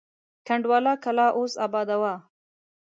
کنډواله کلا اوس اباده وه.